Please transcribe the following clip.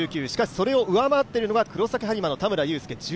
しかし、それを上回っているのが黒崎播磨の田村友佑。